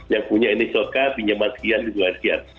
yang punya initial k pinjaman sekian juga sekian